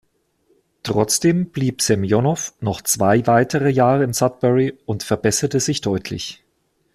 Trotzdem blieb Semjonow noch zwei weitere Jahre in Sudbury und verbesserte sich deutlich.